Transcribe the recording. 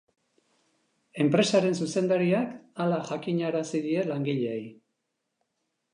Enpresaren zuzendariak hala jakinarazi die langileei.